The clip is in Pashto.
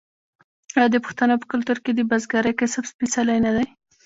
آیا د پښتنو په کلتور کې د بزګرۍ کسب سپیڅلی نه دی؟